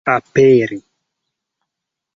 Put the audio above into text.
aperi